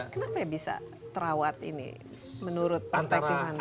kenapa ya bisa terawat ini menurut perspektif anda